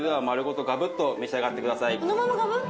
そのままガブッ。